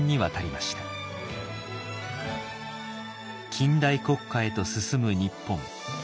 近代国家へと進む日本。